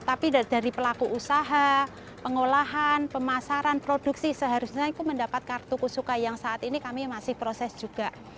tapi dari pelaku usaha pengolahan pemasaran produksi seharusnya itu mendapat kartu kusuka yang saat ini kami masih proses juga